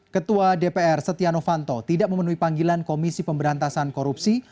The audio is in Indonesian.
ketua dpr setia novanto tidak memenuhi panggilan komisi pemberantasan korupsi